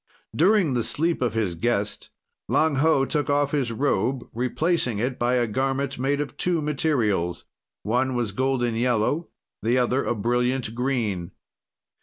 "During the sleep of his guest, Lang Ho took off his robe, replacing it by a garment made of two materials. One was golden yellow, the other a brilliant green.